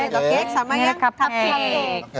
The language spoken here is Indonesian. bentoke sama yang cupcake